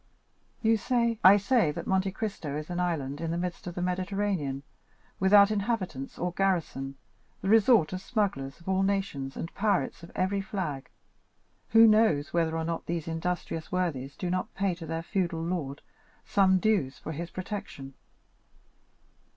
"You say——" "I say that Monte Cristo is an island in the midst of the Mediterranean, without inhabitants or garrison, the resort of smugglers of all nations, and pirates of every flag. Who knows whether or not these industrious worthies do not pay to their feudal lord some dues for his protection?"